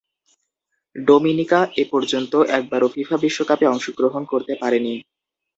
Dominica এপর্যন্ত একবারও FIFA বিশ্বকাপে অংশগ্রহণ করতে পারেনি।